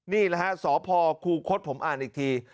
นี่แหละฮะสพคูคศผมอ่านอีกที